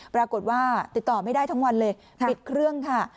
ปรากฏว่าติดต่อไม่ได้ทั้งวันเลยปิดเครื่องค่ะ